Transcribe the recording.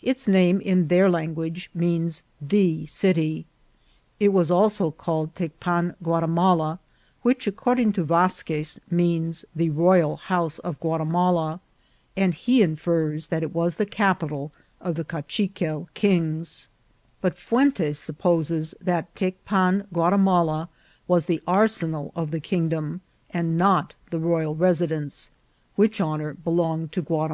Its name, in their language, means " the city." It was also called Tecpan Guati mala, which, according to Vasques, means " the Royal House of Guatimala," and he infers that it was the cap ital of the Kachiquel kings ; but Fuentes supposes that Tecpan Guatimala was the arsenal of the kingdom, and not the royal residence, which honour belonged to Gua 152 INCIDENTS OP TRAVEL.